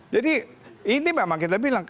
jadi ini memang kita bilang